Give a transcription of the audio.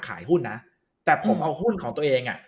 ขายหุ้นนะแต่ผมเอาหุ้นของตัวเองอ่ะ